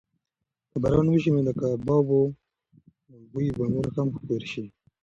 که باران وشي نو د کبابو بوی به نور هم خپور شي.